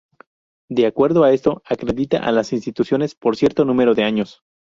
De acuerdo a esto, acredita a las instituciones por cierto número de años.